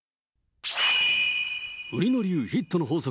売野流ヒットの法則